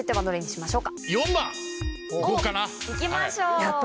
いきましょう。